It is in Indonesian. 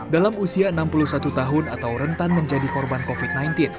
dalam usia enam puluh satu tahun atau rentan menjadi korban covid sembilan belas